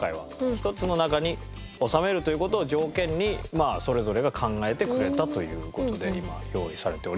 １つの中に収めるという事を条件にそれぞれが考えてくれたという事で今用意されております。